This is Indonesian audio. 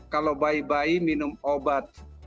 kalau bayi bayi minum obat